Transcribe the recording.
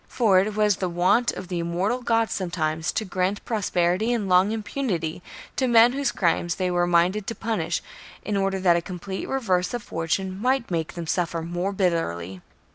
For it was the wont of the immortal gods sometimes to grant prosperity and long impunity to men whose crimes they were minded to punish in order that a complete reverse of fortune might make them suffer more bitterly.